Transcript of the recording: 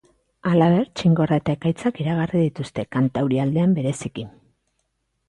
Halaber, txingorra eta ekaitzak iragarri dituzte, kantaurialdean bereziki.